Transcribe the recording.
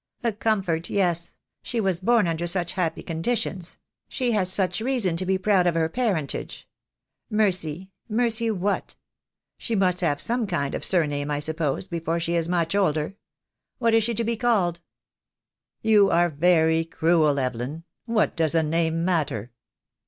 "A comfort, yes. She was born under such happy conditions — she has such reason to be proud of her parentage! Mercy — Mercy what? She must have some kind of surname, I suppose, before she is much older. What is she to be called?" "You are very cruel, Evelyn. What does a name matter?"